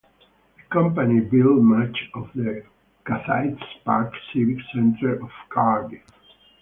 The company built much of the Cathays Park civic centre of Cardiff.